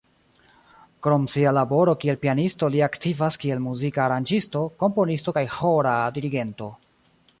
Krom sia laboro kiel pianisto li aktivas kiel muzika aranĝisto, komponisto kaj ĥora dirigento.